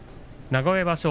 名古屋場所